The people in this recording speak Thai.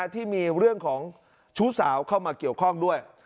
ที่มีเรื่องของชู้สาวเข้ามาเกี่ยวข้องด้วย